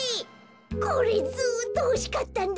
これずっとほしかったんだ。